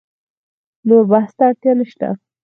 نور بحث ته اړتیا نشته.